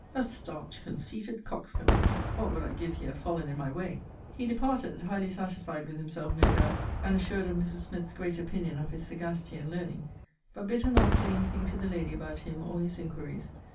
A starched, conceited coxcomb! what would I give he had fallen in my way! He departed, highly satisfied with himself, no doubt, and assured of Mrs. Smith's great opinion of his sagacity and learning: but bid her not say any thing to the lady about him or his inquiries.